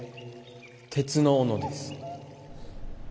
鉄の斧です。